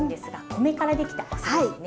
米からできたお酢ですね。